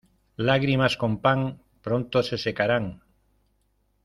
Lagrimas con pan, pronto se secarán.